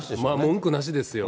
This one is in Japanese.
文句なしですよ。